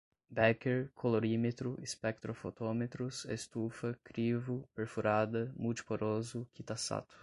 béquer, colorímetro, espectrofotômetros, estufa, crivo, perfurada, multi poroso, kitasato